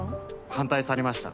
反対されました。